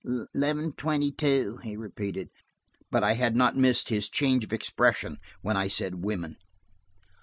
"Eleven twenty two," he repeated, but I had not missed his change of expression when I said women.